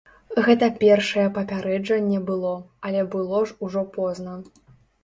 Гэта першае папярэджанне было, але было ж ужо позна.